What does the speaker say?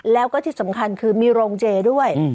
แล้วก็ที่สำคัญคือมีโรงเจด้วย